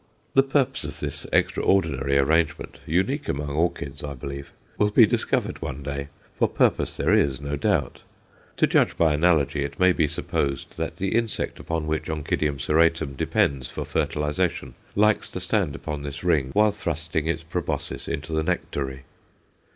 The purpose of this extraordinary arrangement unique among orchids, I believe will be discovered one day, for purpose there is, no doubt; to judge by analogy, it may be supposed that the insect upon which Onc. serratum depends for fertilization likes to stand upon this ring while thrusting its proboscis into the nectary.